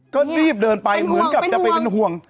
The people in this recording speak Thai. ก็รีบเดินไปเหมือนกับจะไปเป็นห่วง